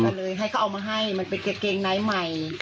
ก็เลยให้เขาเอามาให้มันเป็นกางเกงในใหม่